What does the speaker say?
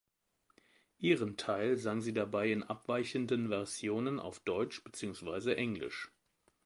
Ihren Teil sang sie dabei in abweichenden Versionen auf Deutsch beziehungsweise Englisch.